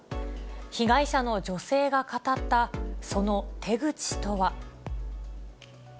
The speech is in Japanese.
被害者の女性が語ったその手口とは。